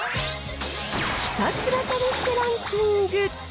ひたすら試してランキング。